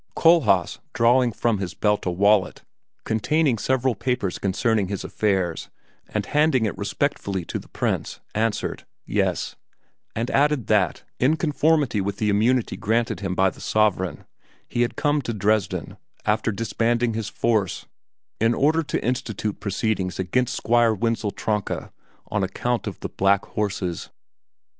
Kohlhaas, drawing from his belt a wallet containing several papers concerning his affairs and handing it respectfully to the Prince, answered, "Yes;" and added that, in conformity with the immunity granted him by the sovereign, he had come to Dresden, after disbanding his force, in order to institute proceedings against Squire Wenzel Tronka on account of the black horses.